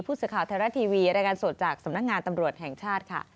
ผู้สื่อข่าวไทยรัฐทีวีรายงานสดจากสำนักงานตำรวจแห่งชาติค่ะ